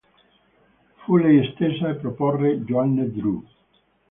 Fu lei stessa a proporre Joanne Dru.